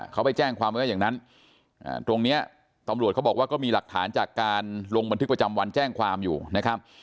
เขาไปแจ้งความไว้ว่าอย่างนั้นตรงนี้ตำรวจเขาบอกว่าก็มีหลักฐานจากการลงบันทึกประจำวันแจ้งความอยู่นะครับ